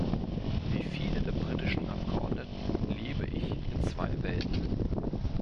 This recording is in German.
Wie viele der britischen Abgeordneten lebe ich in zwei Welten.